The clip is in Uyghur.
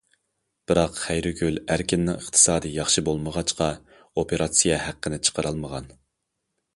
بىراق خەيرىگۈل ئەركىننىڭ ئىقتىسادى ياخشى بولمىغاچقا، ئوپېراتسىيە ھەققىنى چىقىرالمىغان.